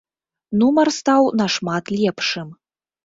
Нумар стаў нашмат лепшым.